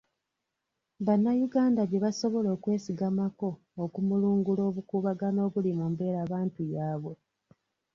Bannanyuganda bye basobola okwesigamako okumulungula obukuubagano obuli mu mbeerabantu yaabwe.